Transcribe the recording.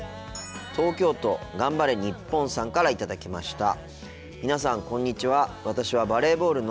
東京都がんばれニッポンさんから頂きました。